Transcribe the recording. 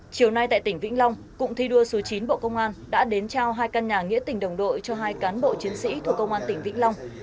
chiều nay tại tỉnh vĩnh long cụng thi đua số chín bộ công an đã đến trao hai căn nhà nghĩa tỉnh đồng đội cho hai cán bộ chiến sĩ thuộc công an tỉnh vĩnh long